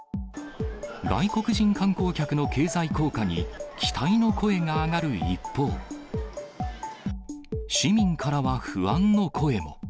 外国人観光客の経済効果に、期待の声が上がる一方、市民からは不安の声も。